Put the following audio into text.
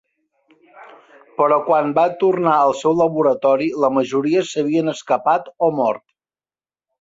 Però quan va tornar al seu laboratori la majoria s'havien escapat o mort.